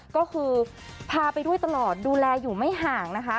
ก็คือพาไปด้วยตลอดดูแลอยู่ไม่ห่างนะคะ